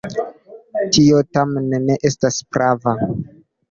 Tio tamen ne estas prava.